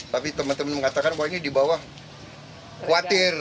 tapi teman teman mengatakan bahwa ini di bawah khawatir